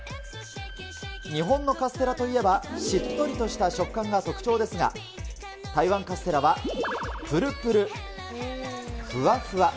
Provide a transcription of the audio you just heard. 日本のカステラといえば、しっとりとした食感が特徴ですが、台湾カステラはぷるぷる、ふわふわ。